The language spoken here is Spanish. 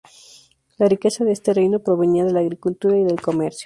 La riqueza de este reino provenía de la agricultura y del comercio.